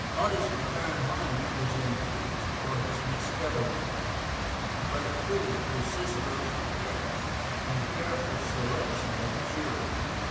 On his return home he was impeached for his misgovernment, but acquitted through Cicero's defence and the careful selection of a jury.